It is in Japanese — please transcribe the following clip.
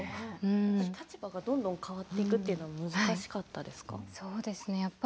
立場がどんどん変わっていくというのも難しかったですか。